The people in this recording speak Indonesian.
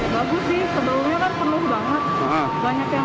bagus sih sebelumnya kan penuh banget